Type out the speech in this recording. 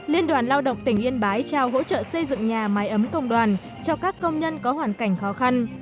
liên đoàn lao động tỉnh yên bái trao hỗ trợ xây dựng nhà máy ấm công đoàn cho các công nhân có hoàn cảnh khó khăn